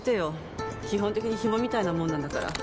基本的にヒモみたいなもんなんだから。